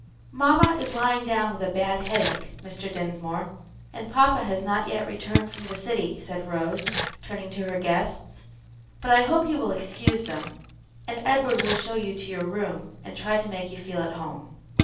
"Mamma is lying down with a bad headache, Mr. Dinsmore, and papa has not yet returned from the city," said Rose, turning to her guests; "but I hope you will excuse them, and Edward will show you to your room, and try to make you feel at home."